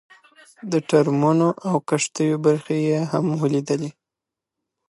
د ټرمونو او کښتیو برخې یې هم ولیدې.